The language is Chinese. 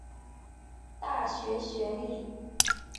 大学学历。